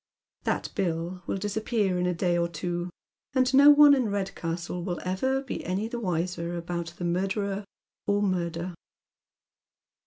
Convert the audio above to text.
That bill will dis appear in a day or two, and no one in Eedcastle will ever be any the wiser about the murderer or murder.